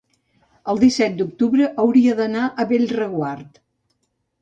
El disset d'octubre hauria d'anar a Bellreguard.